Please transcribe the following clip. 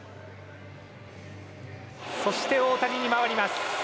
そして大谷に回ります。